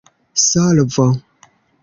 solvo